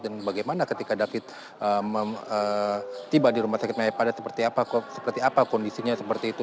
dan bagaimana ketika david tiba di rumah sakit maya pada seperti apa kondisinya seperti itu